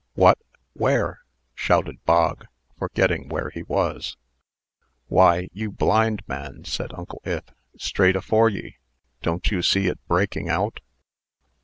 "What! Where?" shouted Bog, forgetting where he was. "Why, you blind man!" said Uncle Ith; "straight afore ye. Don't ye see it breaking out?"